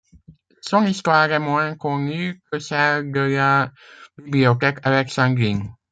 Son histoire est moins connue que celle de la bibliothèque alexandrine.